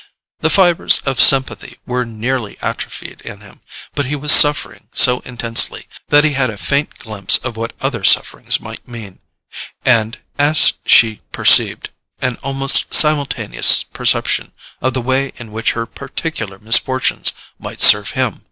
The fibres of sympathy were nearly atrophied in him, but he was suffering so intensely that he had a faint glimpse of what other sufferings might mean—and, as she perceived, an almost simultaneous perception of the way in which her particular misfortunes might serve him.